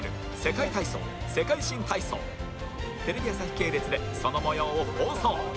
テレビ朝日系列でその模様を放送！